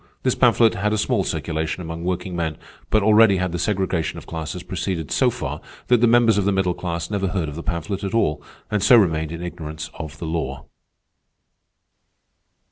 This pamphlet had a small circulation among workingmen; but already had the segregation of classes proceeded so far, that the members of the middle class never heard of the pamphlet at all, and so remained in ignorance of the law.